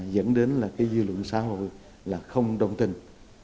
dẫn đến là cái dư lượng xã hội là không đồng tình